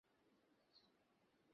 তিনি মূলতঃ leg break bowling করতেন।